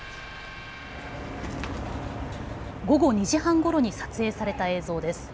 午後２時半ごろに撮影された映像です。